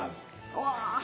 うわ。